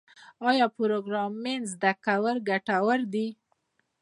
آیا پروګرامینګ زده کول ګټور دي؟